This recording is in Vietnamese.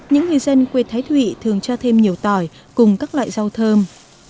những người dân quê thái thụy thường cho thêm nhiều tỏi cùng các loại rau thơm